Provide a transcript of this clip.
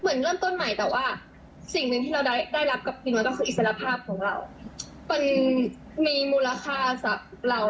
เหมือนเริ่มต้นใหม่แต่ว่าสิ่งหนึ่งที่เราได้รับกับพิมพ์ก็คืออิสระภาพของเรา